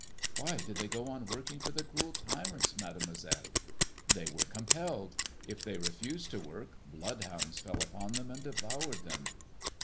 " Why did they go on working for the cruel tyrants, Made moiselle 7 " "They were compelled. If they refused to work blood hounds fell upon them, and de voured them."